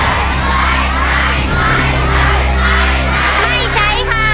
ไม่ใช่